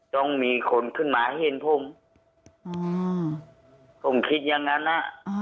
ต้องมีคนขึ้นมาเห็นผมผมคิดอย่างนั้นอ่ะ